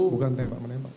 bukan tembak menembak